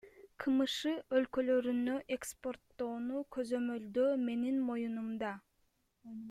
КМШ өлкөлөрүнө экспорттоону көзөмөлдөө менин моюнумда.